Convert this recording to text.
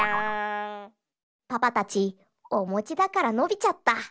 パパたちおもちだからのびちゃった。